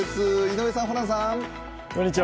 井上さん、ホランさん。